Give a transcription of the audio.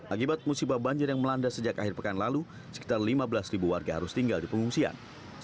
akibat musibah banjir yang melanda sejak akhir pekan lalu sekitar lima belas warga harus tinggal di pengungsian